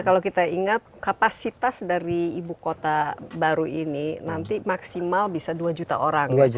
kalau kita ingat kapasitas dari ibu kota baru ini nanti maksimal bisa dua juta orang